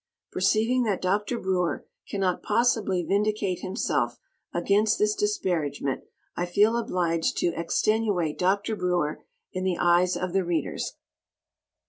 Perceiving that Dr. Breuer cannot possibly vindicate himself against this disparagement I feel obliged to extenuate Dr. Breuer in the eyes of the Readers.